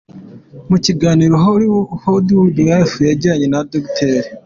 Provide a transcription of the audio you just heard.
Mu kiganiro HollywoodLife yagiranye na Dr.